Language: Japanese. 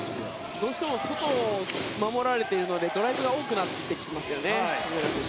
どうしても外を守られているのでドライブが多くなってきていますよね。